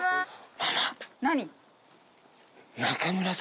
何？